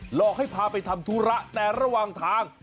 หลอกให้พาไปทำธุระแต่ระหว่างทาง